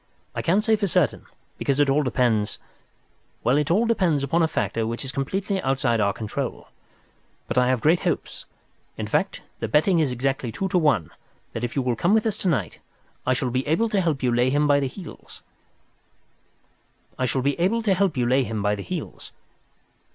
I can't say for certain, because it all depends—well, it all depends upon a factor which is completely outside our control. But I have great hopes—in fact, the betting is exactly two to one—that if you will come with us to night I shall be able to help you to lay him by the heels."